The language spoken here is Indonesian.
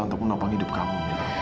untuk menopang hidup kamu